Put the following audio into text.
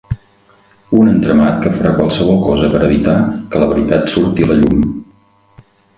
Un entramat que farà qualsevol cosa per evitar que la veritat surti a la llum.